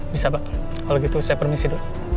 bisa pak kalau gitu saya permisi dulu